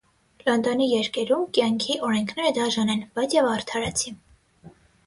Լոնդոնի երկերում կյանքի օրենքները դաժան են, բայց և արդարացի։